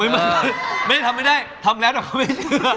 ไม่ได้ทำไม่ได้ทำแล้วแต่เขาไม่เชื่อ